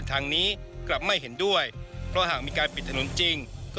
ทางนี้กลับไม่เห็นด้วยเพราะหากมีการปิดถนนจริงก็